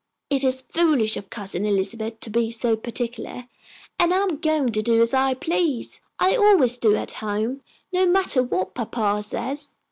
It is foolish of Cousin Elizabeth to be so particular, and I am going to do as I please. I always do at home, no matter what papa says.